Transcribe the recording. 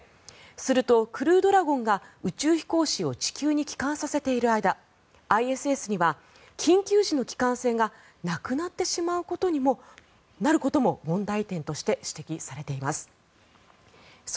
すると、クルードラゴンが宇宙飛行士を地球に帰還させている間ＩＳＳには緊急時の帰還船がなくなることも問題点として指摘されています。